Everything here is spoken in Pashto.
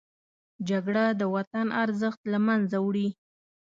جګړه د وطن ارزښت له منځه وړي